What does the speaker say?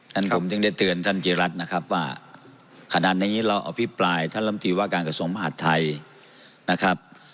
ท่านผมจึงได้เตือนท่านจิรัตน์นะครับว่าขณะนี้เราอภิปรายท่านลำตีว่าการกระทรวงมหาดไทยนะครับ